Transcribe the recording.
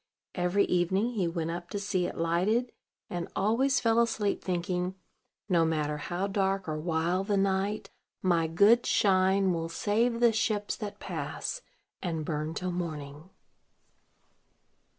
Every evening he went up to see it lighted, and always fell asleep, thinking, "No matter how dark or wild the night, my good Shine will save the ships that pass, and burn till morning."